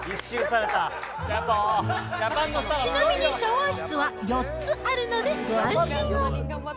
ちなみにシャワー室は４つあるので、ご安心を。